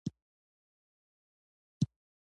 بیداري د روح د ازادۍ نښه ده.